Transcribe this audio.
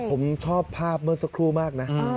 ผมชอบภาพเมื่อสักครู่มากนะ